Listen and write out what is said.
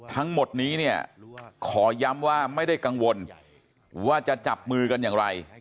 ทั้งหมดนี้เนี่ยขอย้ำว่าไม่ได้กังวลว่าจะจับมือกันอย่างไร